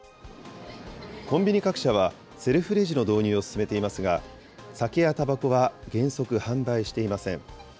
コンビニ各社は、セルフレジの導入を進めていますが、酒やたばこは原則販売していません。